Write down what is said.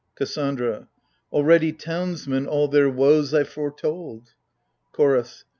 KASSANDRAv Already townsmen all their woes I foretold. CHOROS.